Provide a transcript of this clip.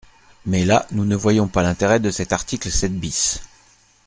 Mais là, nous ne voyons pas l’intérêt de cet article sept bis.